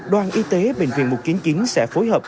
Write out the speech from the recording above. đoàn y tế bệnh viện một trăm chín mươi chín sẽ phối hợp